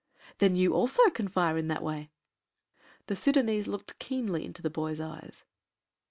"Then you also can fire in that way." The Sudânese looked keenly into the boy's eyes.